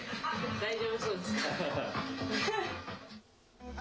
大丈夫そうですか？